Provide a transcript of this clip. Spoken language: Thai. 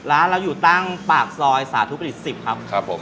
ร้านเราอยู่ตั้งปลากซอยสถุประดิษฐิปที่๑๐ครับ